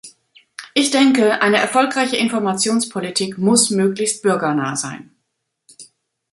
Ich denke, eine erfolgreiche Informationspolitik muss möglichst bürgernah sein.